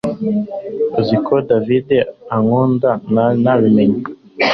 Uzi ko david ankunda narabimenye